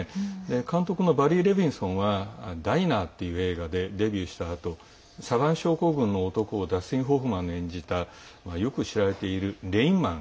監督のバリー・レヴィンソンは「ダイナー」という映画でデビューしたあとサヴァン症候群の男をダスティン・ホフマンが演じた「レインマン」。